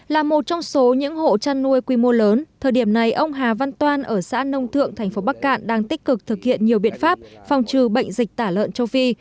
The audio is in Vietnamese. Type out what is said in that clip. là một trong số những hộ chăn nuôi quy mô lớn thời điểm này ông hà văn toan ở xã nông thượng tp bắc cạn đang tích cực thực hiện nhiều biện pháp phòng trừ bệnh dịch tả lợn châu phi